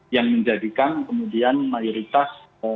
yang menjadikan kemudian mayoritas